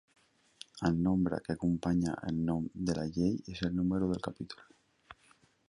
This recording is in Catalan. El nombre que acompanya el nom de la llei és el número del capítol.